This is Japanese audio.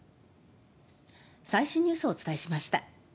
最新ニュースをお伝えしました。